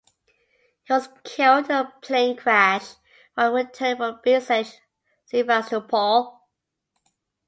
He was killed in a plane crash while returning from besieged Sevastopol.